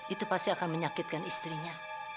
itu pasti akan menyakitkan istrinya